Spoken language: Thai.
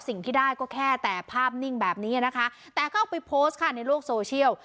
สิ่งที่ได้ก็แค่แต่ภาพนิ่งแบบนี้นะคะแต่เขาเอาไปโพสต์ค่ะในโลกโซเชียล